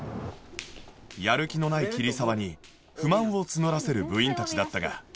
やる気のない桐沢に不満を募らせる部員たちだったが